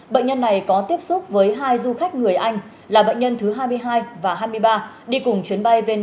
bệnh nhân này có tiếp xúc với hai du khách người anh là bệnh nhân thứ hai mươi hai và hai mươi ba đi cùng chuyến bay vn